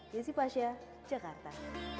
yusi fasya jakarta